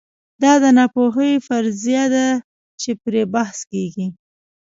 دا د ناپوهۍ فرضیه ده چې پرې بحث کېږي.